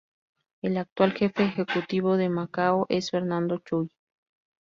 El actual Jefe Ejecutivo de Macao es Fernando Chui.